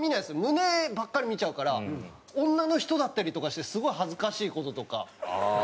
胸ばっかり見ちゃうから女の人だったりとかしてすごい恥ずかしい事とか。